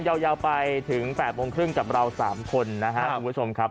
ยาวไปถึง๘โมงครึ่งกับเรา๓คนนะครับคุณผู้ชมครับ